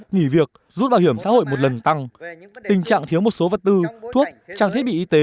nghỉ việc rút bảo hiểm xã hội một lần tăng tình trạng thiếu một số vật tư thuốc trang thiết bị y tế